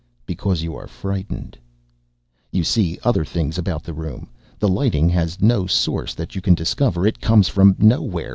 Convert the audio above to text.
Because you are frightened. You see other things about the room. The lighting has no source that you can discover. It comes from nowhere.